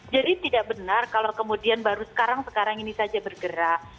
jadi tidak benar kalau kemudian baru sekarang sekarang ini saja bergerak